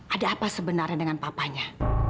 ada apa sebenarnya dengan papanya